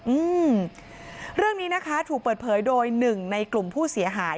อืมเรื่องนี้นะคะถูกเปิดเผยโดยหนึ่งในกลุ่มผู้เสียหาย